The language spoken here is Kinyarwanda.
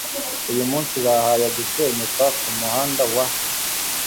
Uyu munsi habaye gusenyuka kumuhanda wa